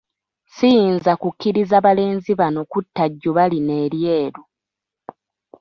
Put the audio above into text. Siyinza ku kkiriza balenzi bano kutta Jjuba lino eryeru.